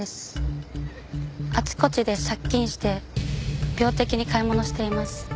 あちこちで借金して病的に買い物しています。